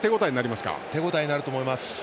手応えになると思います。